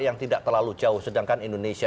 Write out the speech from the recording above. yang tidak terlalu jauh sedangkan indonesia